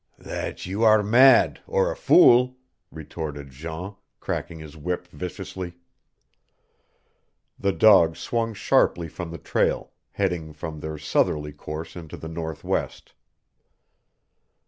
"That you are mad or a fool," retorted Jean, cracking his whip viciously. The dogs swung sharply from the trail, heading from their southerly course into the northwest.